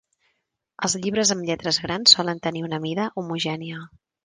Els llibres amb lletres grans solen tenir una mida homogènia.